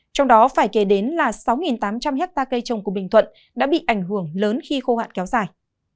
trong đó phải kể đến là sáu tám trăm linh hectare cây trồng của bình thuận đã bị ảnh hưởng lớn khi khô hạn kéo dài